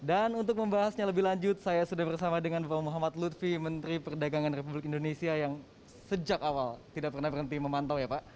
dan untuk membahasnya lebih lanjut saya sudah bersama dengan bapak muhammad lutfi menteri perdagangan republik indonesia yang sejak awal tidak pernah berhenti memantau ya pak